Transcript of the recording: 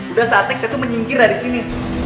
udah saatnya kita tuh menyingkir dari sini